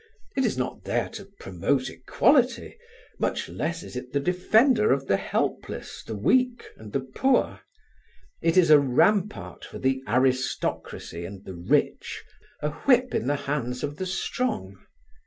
It is not there to promote equality, much less is it the defender of the helpless, the weak and the poor; it is a rampart for the aristocracy and the rich, a whip in the hands of the strong.